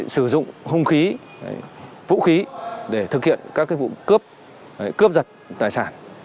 sử dụng hông khí vũ khí để thực hiện các vụ cướp cướp giật tài sản